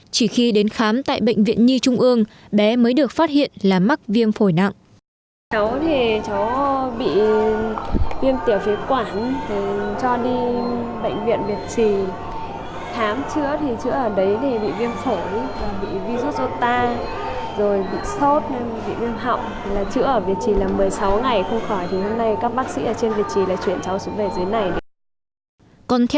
chỉ khi đến khám tại bệnh viện nhi trung ương bé mới được phát hiện là mắc viêm phổi nặng